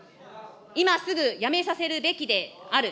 今すぐ辞めさせるべきである。